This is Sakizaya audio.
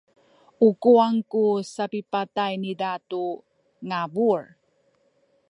u kuwang ku sapipatay niza tu ngabul.